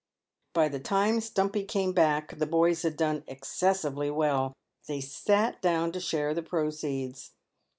By the time Stumpy came back the boys had done excessively well. They sat down to share the proceeds.